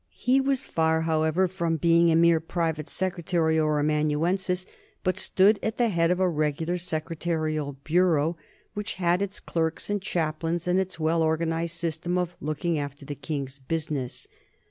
He was far, however, from being a mere private secretary or amanuensis, but stood at the head of a regular secretarial bureau, which had its clerks and chaplains and its well organized system of looking after the king's business.